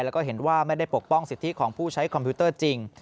แล้วก็เห็นว่าไม่ได้ปกป้องสิทธิของผู้ใช้คอมพิวเตอร์จริง